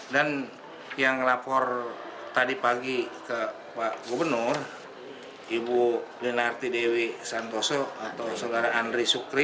dan yang lapor tadi pagi ke pak gubernur ibu denarti dewi santoso atau saudara andre sukri